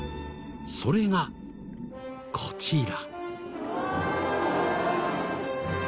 それがこちら。